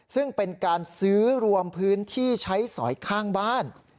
ซึ่งเป็นการซื้อรวมพื้นที่ใช้สอยข้างบ้าน